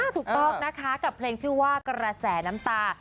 ถูกต้องนะคะกับเพลงชื่อว่ากระแสน้ำตา